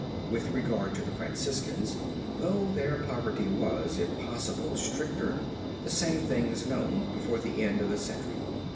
With regard to the Franciscans, though their poverty was, if possible, stricter, the same thing is known before the end of the century.